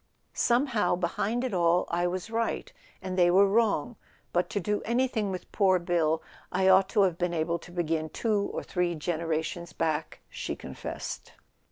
"Somehow, behind it all, I was right, and they were wrong; but to do anything with poor Bill I ought to have been able to begin two or three generations back," she confessed.